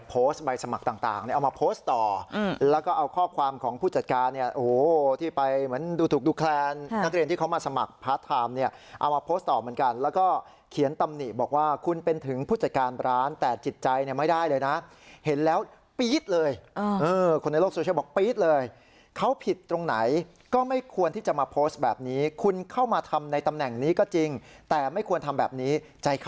เอามาโพสต์ใบสมัครต่างเอามาโพสต์ต่อแล้วก็เอาข้อความของผู้จัดการเนี้ยโอ้โหที่ไปเหมือนดูถูกดูแคลนนักเรียนที่เขามาสมัครพาร์ทไทม์เนี้ยเอามาโพสต์ต่อเหมือนกันแล้วก็เขียนตำนิบอกว่าคุณเป็นถึงผู้จัดการร้านแต่จิตใจเนี้ยไม่ได้เลยนะเห็นแล้วปี๊ดเลยเออคนในโลกโซเชียลบอกปี๊ดเลยเขาผิดตรงไหนก